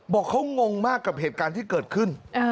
บอกเขางงมากกับเหตุการณ์ที่เกิดขึ้น